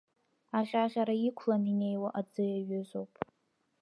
Аҟьаҟьара иқәланы инеиуа аӡы иаҩызоуп.